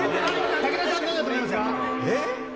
武田さん、なんだと思いますえっ？